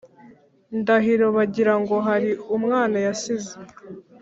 ndahiro bagirango hari umwana yasize,